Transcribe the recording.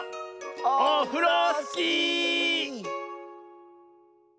オフロスキー！